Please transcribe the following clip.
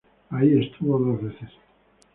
Ahí estuvo dos veces.